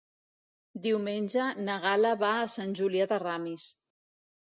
Diumenge na Gal·la va a Sant Julià de Ramis.